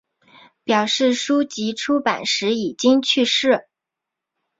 表示书籍出版时已经去世。